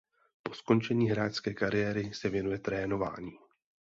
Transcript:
Po skončení hráčské kariéry se věnuje trénování.